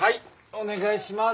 お願いします！